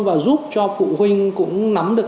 và giúp cho phụ huynh cũng nắm được